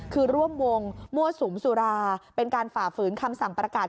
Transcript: คือร่วมวงมั่วสุมสุราเป็นการฝ่าฝืนคำสั่งประกาศ